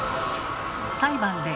裁判で